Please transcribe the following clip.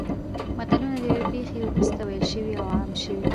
متلونه د یوې پېښې وروسته ویل شوي او عام شوي